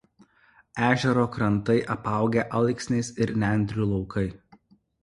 Ežero krantai apaugę alksniais ir nendrių laukai.